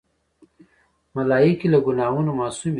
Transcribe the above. ملایکې له ګناهونو معصومی دي.